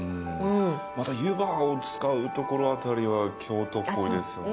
また湯葉を使うところあたりは京都っぽいですよね。